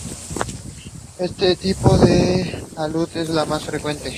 Este tipo de alud es el más frecuente.